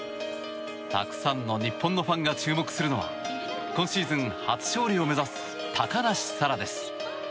たくさんの日本のファンが注目するのは今シーズン初勝利を目指す高梨沙羅です。